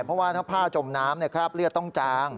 เพราะว่าถ้าผ้าจมน้ำคราบเลือดต้องจาง